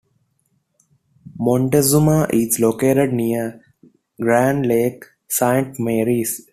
Montezuma is located near Grand Lake Saint Marys.